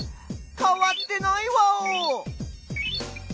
かわってないワオ！